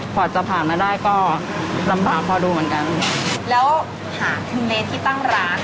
พอจะผ่านมาได้ก็ลำบากพอดูเหมือนกัน